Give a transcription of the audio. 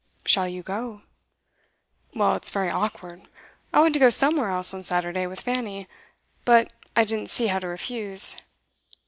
'Shall you go?' 'Well, it's very awkward. I want to go somewhere else on Saturday, with Fanny. But I didn't see how to refuse.